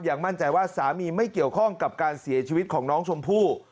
มั่นใจว่าสามีไม่เกี่ยวข้องกับการเสียชีวิตของน้องชมพู่